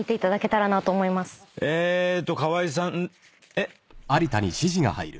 えーっと河井さんえっ？